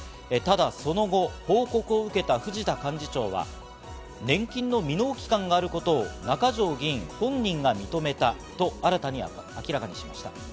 ただその後、報告を受けた藤田幹事長は、年金の未納期間があることを中条議員本人が認めたと新たに明らかにしました。